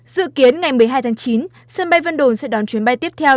dự kiến ngày một mươi hai tháng chín sân bay vân đồn sẽ đón chuyến bay tiếp theo